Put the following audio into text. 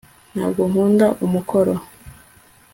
ntabwo nkunda umukoro